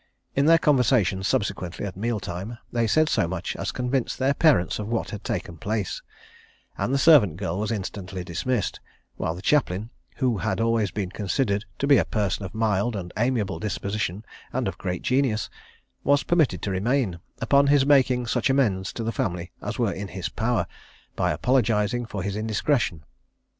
In their conversation subsequently at meal time, they said so much as convinced their parents of what had taken place, and the servant girl was instantly dismissed; while the chaplain, who had always been considered to be a person of mild and amiable disposition and of great genius, was permitted to remain, upon his making such amends to the family as were in his power, by apologising for his indiscretion.